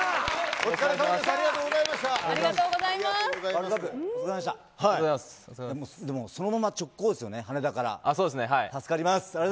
お疲れさまです。